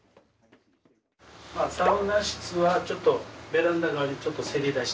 サウナ室はちょっとベランダ側にちょっとせり出した形に。